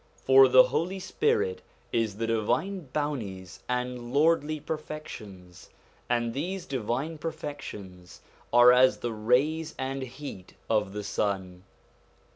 For the Holy Spirit is the divine bounties and lordly perfections; and these divine perfections are as the rays and heat of the sun.